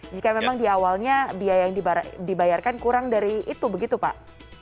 jika memang di awalnya biaya yang dibayarkan kurang dari itu begitu pak